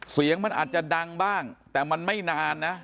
เสียงมันอาจจะดังบ้างแต่มันไม่นานนะ